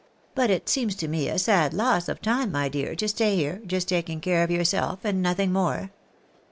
" But it seems to me a sad loss of time, my dear, to stay here, just taking care of yourself, and nothing more.